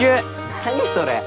何それ。